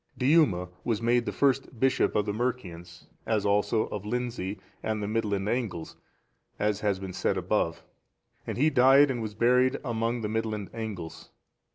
Diuma was made the first bishop of the Mercians, as also of Lindsey and the Midland Angles, as has been said above,(444) and he died and was buried among the Midland Angles.